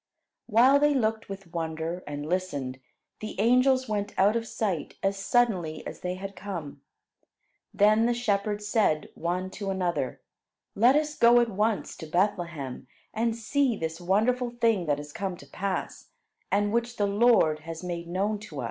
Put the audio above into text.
While they looked with wonder, and listened, the angels went out of sight as suddenly as they had come. Then the shepherds said one to another: "Let us go at once to Bethlehem, and see this wonderful thing that has come to pass, and which the Lord has made known to us."